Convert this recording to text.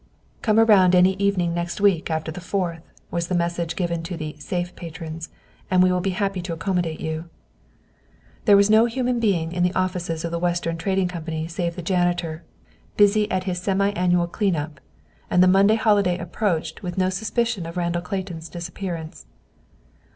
"Come around any evening next week, after the Fourth," was the message given to the "safe" patrons, "and we will be happy to accommodate you." There was no human being in the offices of the Western Trading Company save the janitor, busy at his semi annual clean up, and the Monday holiday approached with no suspicion of Randall Clayton's disappearance.